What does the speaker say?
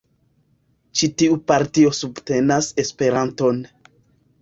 Ĉi tiu partio subtenas Esperanton.